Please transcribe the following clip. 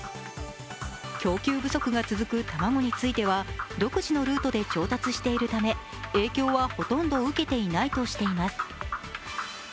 供給不足が続く卵については独自のルートで調達しているため、影響はほとんど受けていないとしています。